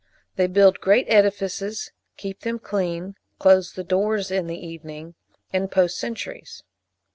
They build great edifices, keep them clean, close the doors in the evening, and post sentries.